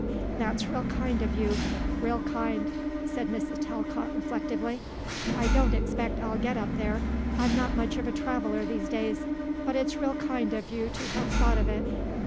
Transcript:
"That's real kind of you; real kind," said Mrs. Talcott reflectively. "I don't expect I'll get up there. I'm not much of a traveller these days. But it's real kind of you to have thought of it."